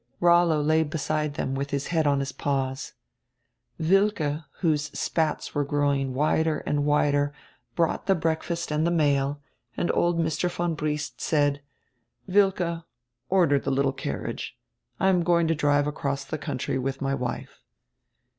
Rollo lay beside them with his head on his paws. Wilke, whose spats were growing wider and wider, brought the breakfast and the mail, and old Mr. von Briest said: "Wilke, order tire little carriage. I am going to drive across the country with my wife."